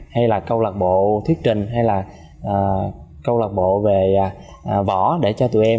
hay là câu lạc bộ thiết trình hay là câu lạc bộ về võ để cho tụi em